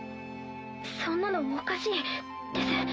そんなのおかしいです。